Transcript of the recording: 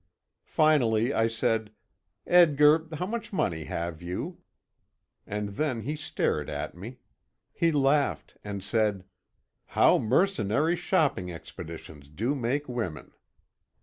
Finally, I said, "Edgar, how much money have you?" And then he stared at me. He laughed, and said: "How mercenary shopping expeditions do make women!"